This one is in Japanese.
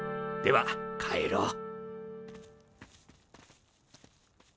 では帰ろう。